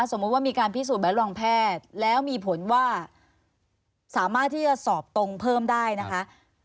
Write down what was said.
สมมุติว่ามีการพิสูจนแบบรองแพทย์แล้วมีผลว่าสามารถที่จะสอบตรงเพิ่มได้นะคะ